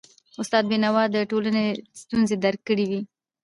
استاد بينوا د ټولنې ستونزي درک کړی وي.